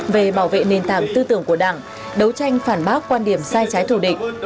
về bảo vệ nền tảng tư tưởng của đảng đấu tranh phản bác quan điểm sai trái thủ định